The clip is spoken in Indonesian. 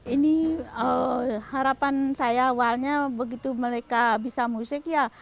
ini harapan saya awalnya begitu mereka bisa musik ya